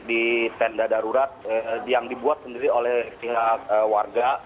di senda darurat yang dibuat sendiri oleh warga